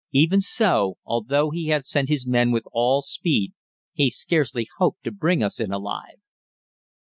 Even so, although he had sent his men with all speed he had scarcely hoped to bring us in alive.